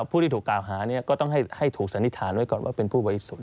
ผู้ที่ถูกกล่าวหาก็ต้องให้ถูกสันนิษฐานไว้ก่อนว่าเป็นผู้บริสุทธิ์